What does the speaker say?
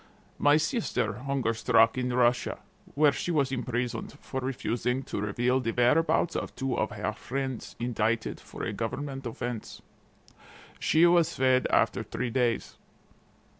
My sister hunger struck in Russia, where she was imprisoned for refusing to reveal the whereabouts of two of her friends indicted for a government offense. She was fed after three days.